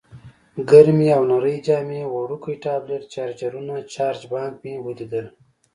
ګرمې او نرۍ جامې، وړوکی ټابلیټ، چارجرونه، چارج بانک مې ولیدل.